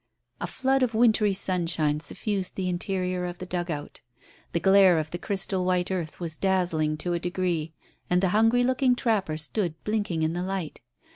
A flood of wintry sunshine suffused the interior of the dugout. The glare of the crystal white earth was dazzling to a degree, and the hungry looking trapper stood blinking in the light.